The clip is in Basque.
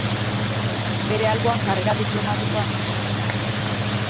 Bere alboan karrera diplomatikoan hasi zen.